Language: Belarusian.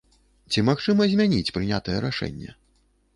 Ці магчыма змяніць прынятае рашэнне?